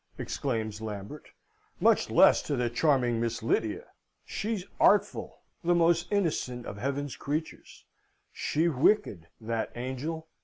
exclaims Lambert, "much less to the charming Miss Lydia. She artful the most innocent of Heaven's creatures! She wicked that angel!